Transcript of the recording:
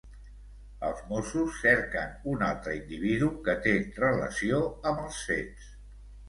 Els Mossos cerquen un altre individu que té relació amb els fets.